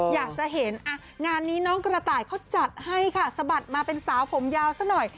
อยากจะเห็นงานนี้น้องกระต่ายเขาจัดให้ค่ะสะบัดมาเป็นสาวผมยาวซะหน่อย